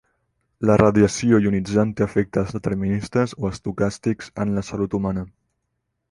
La radiació ionitzant té efectes deterministes o estocàstics en la salut humana.